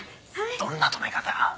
どんな止め方？